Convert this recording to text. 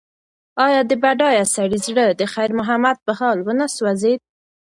ایا د بډایه سړي زړه د خیر محمد په حال ونه سوځېد؟